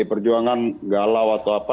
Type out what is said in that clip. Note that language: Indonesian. perjuangan galau atau apa